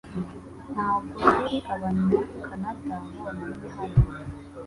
Ntabwo turi abanyakanada bonyine hano